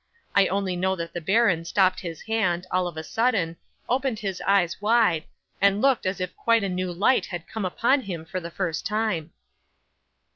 I only know that the baron stopped his hand, all of a sudden, opened his eyes wide, and looked as if quite a new light had come upon him for the first time.